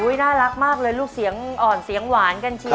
น่ารักมากเลยลูกเสียงอ่อนเสียงหวานกันเชียว